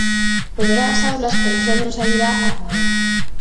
Volverá ás aulas pero xa non sairá a fumar.